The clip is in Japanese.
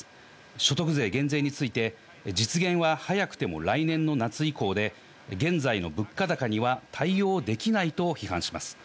所得税減税について、実現は早くても来年の夏以降で、現在の物価高には対応できないと批判します。